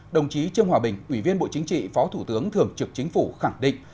đồng chí trương hòa bình ủy viên bộ chính trị phó thủ tướng thường trực chính phủ khẳng định